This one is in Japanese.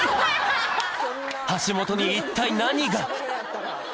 橋本に一体何が！？